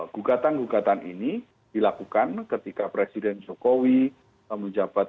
gugatan gugatan ini dilakukan ketika presiden jokowi menjabat